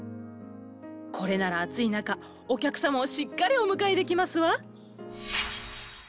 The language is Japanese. これなら暑い中お客様をしっかりお迎えできますわ。